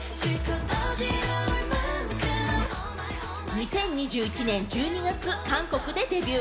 ２０２１年１２月、韓国でデビュー。